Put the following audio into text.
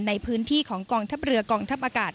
ในพื้นที่ของกองทัพเรือกองทัพอากาศ